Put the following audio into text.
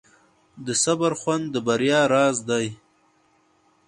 د صبر خوند د بریا راز دی.